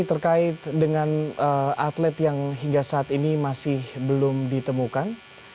terkait dengan atlet yang hingga saat ini masih belum ditemukan